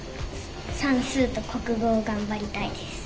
算数と国語を頑張りたいです。